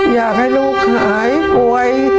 อยากให้ลูกหายป่วย